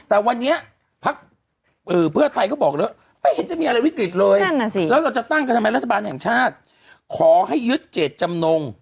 แต่วันนี้พักเพื่อไทยก็บอกเลยว่าไม่เห็นจะมีอะไรวิกฤตเลยแล้วเราจะตั้งกันทำไมรัฐบาลแห่งชาติขอให้ยึดเจตจำนง